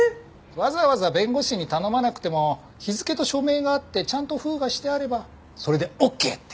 わざわざ弁護士に頼まなくても日付と署名があってちゃんと封がしてあればそれでオッケーって。